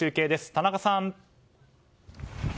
田中さん。